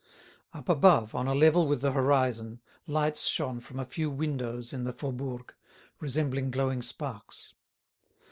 Up above, on a level with the horizon, lights shone from a few windows in the Faubourg, resembling glowing sparks.